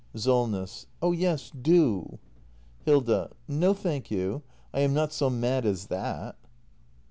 Solness. Oh yes, do! Hilda. No thank you — I am not s o mad as that.